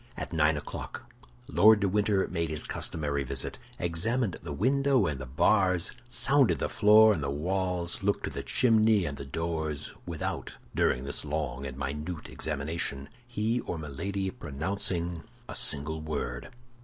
At nine o'clock, Lord de Winter made his customary visit, examined the window and the bars, sounded the floor and the walls, looked to the chimney and the doors, without, during this long and minute examination, he or Milady pronouncing a single word.